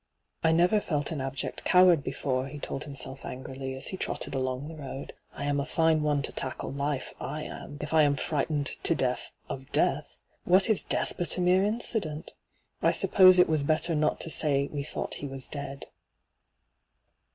' I never felt an abject cowani before,' he told himself angrily as he trotted along the road. ' I am a fine one to tackle life, I am, if I am frightened to death of death I What is deal^ but a mere incident ? I suppose it was better not to say we thought he was dead.'